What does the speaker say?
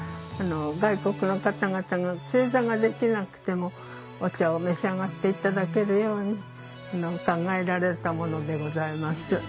外国の方々が正座ができなくてもお茶を召し上がっていただけるように考えられたものでございます。